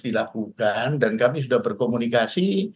dilakukan dan kami sudah berkomunikasi